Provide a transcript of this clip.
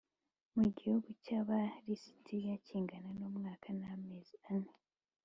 mu gihugu cy Aba lisitiya kingana n umwaka n amezi ane